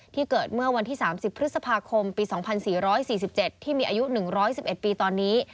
ที่เกิดเมื่อวันที่สามสิบพฤษภาคมปีสองพันสี่ร้อยสี่สิบเจ็ดที่มีอายุหนึ่งร้อยสิบเอ็ดปีตอนนี้